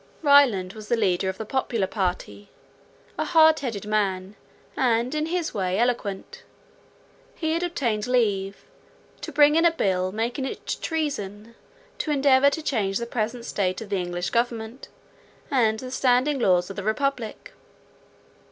Ryland was the leader of the popular party, a hard headed man, and in his way eloquent; he had obtained leave to bring in a bill making it treason to endeavour to change the present state of the English government and the standing laws of the republic.